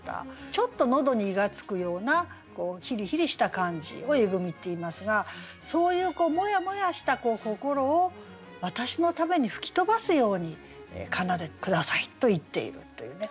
ちょっと喉にイガつくようなヒリヒリした感じをえぐみっていいますがそういうモヤモヤした心を私のために吹き飛ばすように奏でて下さいと言っているというね。